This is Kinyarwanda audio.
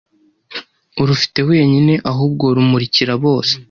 urufite wenyine ahubwo rumurikira bose,